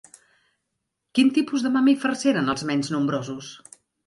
Quin tipus de mamífers eren menys nombrosos?